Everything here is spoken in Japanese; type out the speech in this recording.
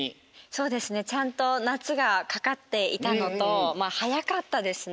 そうですねちゃんと「なつ」がかかっていたのとまあはやかったですね。